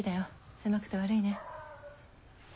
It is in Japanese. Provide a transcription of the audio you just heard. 狭くて悪いね。